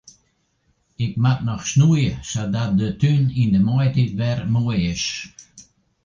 Ik moat noch snoeie sadat de tún yn de maitiid wer moai is.